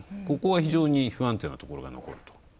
ここは非常に不安定なところがある。